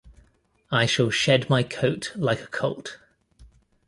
I shall shed my coat like a colt.